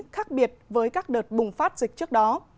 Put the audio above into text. khác biệt với các đợt bùng phát dịch trước đó